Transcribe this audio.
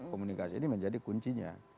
komunikasi ini menjadi kuncinya